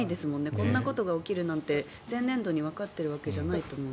こんなことが起きるなんて前年度にわかっているわけじゃないと思うので。